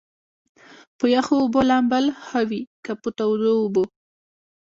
چې پۀ يخو اوبو لامبل ښۀ وي کۀ پۀ تودو اوبو ؟